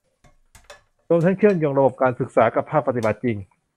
รวมทั้งเชื่อมโยงระบบการศึกษากับภาคปฏิบัติจริง